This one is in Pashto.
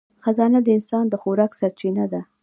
خزانه د انسان د ځواک سرچینه ده.